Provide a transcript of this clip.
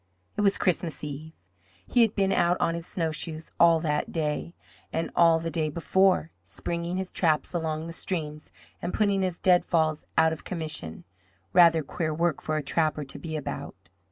It was Christmas Eve. He had been out on his snowshoes all that day, and all the day before, springing his traps along the streams and putting his deadfalls out of commission rather queer work for a trapper to be about.